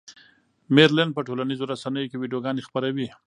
مېرلن په ټولنیزو رسنیو کې ویډیوګانې خپروي.